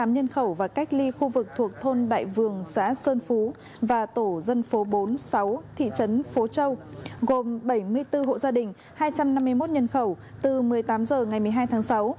hai trăm tám mươi tám nhân khẩu và cách ly khu vực thuộc thôn bảy vườn xã sơn phú và tổ dân phố bốn sáu thị trấn phố châu gồm bảy mươi bốn hộ gia đình hai trăm năm mươi một nhân khẩu từ một mươi tám h ngày một mươi hai tháng sáu